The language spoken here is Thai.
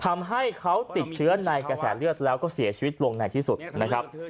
ทำให้เขาติดเชื้อในกระแสเลือดแล้วก็เสียชีวิตลงในที่สุดนะครับ